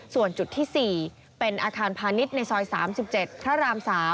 ส่วนจุดที่๔เป็นอาคารพาณิชย์ในซอย๓๗พระราม๓